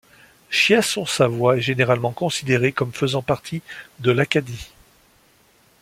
Chiasson-Savoy est généralement considéré comme faisant partie de l'Acadie.